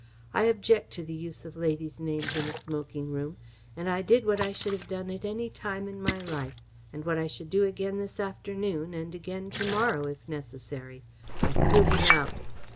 I object to the use of ladies' names in a smoking room, and I did what I should have done at any time in my life, and what I should do again this afternoon and again to morrow if necessary I threw him out.